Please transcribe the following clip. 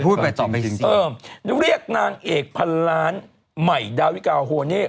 คุณพูดไปต่อไปจริงจริงเออเรียกนางเอกพันล้านใหม่ดาวิกาโฮเน่